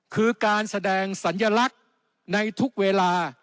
คือการแสดงสัญลักษณ์ในทุกเวลา